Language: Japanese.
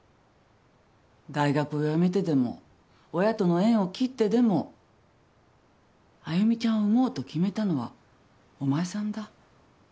大学を辞めてでも親との縁を切ってでも愛魅ちゃんを産もうと決めたのはお前さんだ。